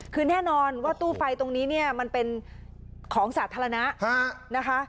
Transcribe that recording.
คือแน่นอนว่าตู้ไฟตรงนี้เนี่ยมันเป็นของสาธารณะนะคะ